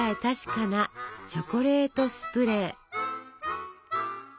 確かなチョコレートスプレー。